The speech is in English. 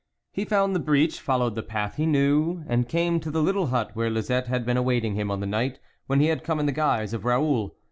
He found the breach, followed the path he knew, and came to the little hut where Lisette had been awaiting him on the night when he had come in the guise of Raoul.